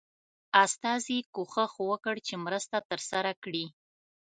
استازي کوښښ وکړ چې مرسته ترلاسه کړي.